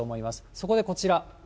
そこでこちら。